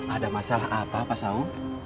ada masalah apa pak sau